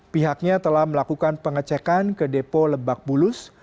pihaknya telah melakukan pengecekan ke depo lebak bulus